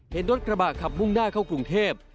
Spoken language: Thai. เห็นรถกระบะขับมุ่งหน้าเข้ากรุงเทพ